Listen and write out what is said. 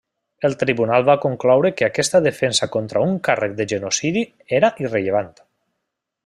El tribunal va concloure que aquesta defensa contra un càrrec de genocidi era irrellevant.